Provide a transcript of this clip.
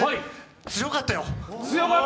強かったよ！